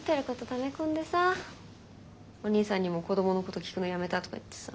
ため込んでさお兄さんにも子どものこと聞くのやめたとか言ってさ。